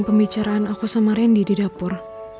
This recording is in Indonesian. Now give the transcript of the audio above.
pembicaraan aku sama randy di dapur